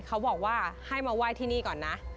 เขาบอกว่าให้มาไหว้ที่นี่ก่อนนะ